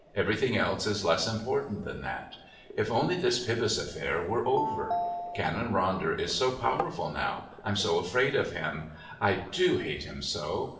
Everything else is less important than that. If only this Pybus affair were over! Canon Ronder is so powerful now. I'm so afraid of him. I do hate him so!